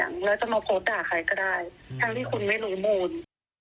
แล้วจะมาโพสต์ด่าใครก็ได้ทั้งที่คุณไม่รู้มูล